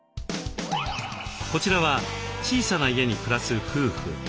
こちらは小さな家に暮らす夫婦。